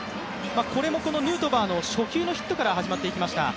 これもヌートバーの初球のヒットから始まっていきました。